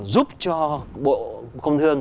giúp cho bộ công thương